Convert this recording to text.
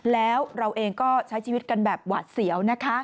แล้วเราเองก็ใช้ชีวิตกันแบบหวาดเสียวนะคะ